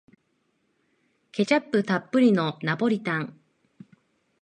ケチャップたっぷりのナポリタン